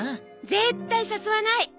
絶対誘わない。